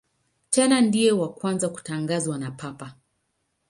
Tena ndiye wa kwanza kutangazwa na Papa.